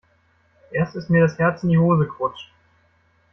Erst ist mir das Herz in die Hose gerutscht.